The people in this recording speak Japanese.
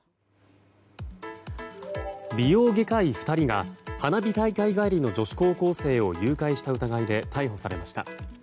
美容外科医２人が花火大会帰りの女子高校生を誘拐した疑いで逮捕されました。